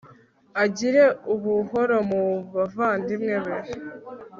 agire ubuhoro mu bavandimwe be